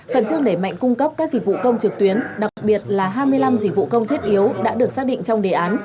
phần chức đẩy mạnh cung cấp các dịch vụ công trực tuyến đặc biệt là hai mươi năm dịch vụ công thiết yếu đã được xác định trong đề án